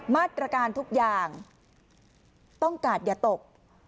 มาตรการทุกอย่างต้องกาดอย่าตก